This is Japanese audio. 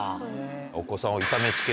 お子さんを。